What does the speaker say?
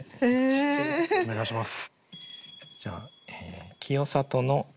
お願いします。